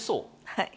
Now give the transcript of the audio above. はい。